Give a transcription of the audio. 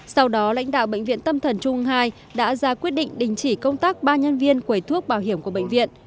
sau đó lãnh đạo bệnh viện tâm thần trung ương ii đã ra quyết định đình chỉ công tác ba nhân viên quầy thuốc bảo hiểm của bệnh viện